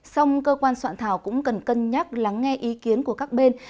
song cơ quan soạn thảo cũng cần cân nhắc lắng nghe ý kiến của các bên